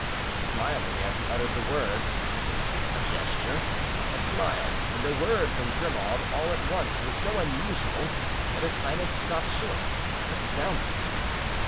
smiling as he uttered the word. A gesture, a smile and a word from Grimaud, all at once, were so unusual that his highness stopped short, astounded.